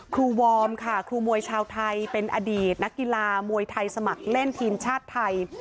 วอร์มค่ะครูมวยชาวไทยเป็นอดีตนักกีฬามวยไทยสมัครเล่นทีมชาติไทย